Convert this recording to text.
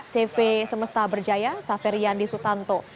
pembangunan dprd semesta berjaya safer yandi sutanto